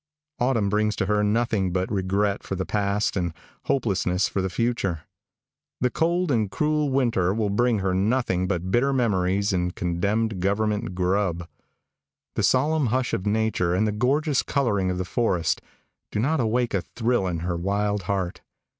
Autumn brings to her nothing but regret for the past and hopelessness for the future. The cold and cruel winter will bring her nothing but bitter memories and condemned government grub. The solemn hush of nature and the gorgeous coloring of the forest do not awake a thrill in her wild heart.